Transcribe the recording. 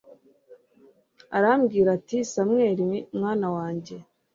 aramubwira ati samweli, mwana wanjye